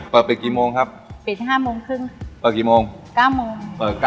เข้าไปกี่โมงครับเปิด๕โมงครึ่ง